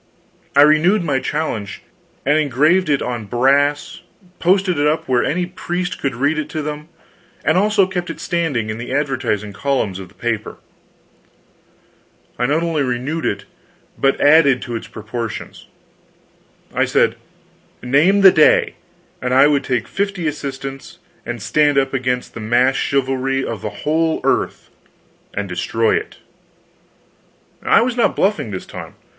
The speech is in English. I renewed my challenge, engraved it on brass, posted it up where any priest could read it to them, and also kept it standing in the advertising columns of the paper. I not only renewed it, but added to its proportions. I said, name the day, and I would take fifty assistants and stand up against the massed chivalry of the whole earth and destroy it. I was not bluffing this time.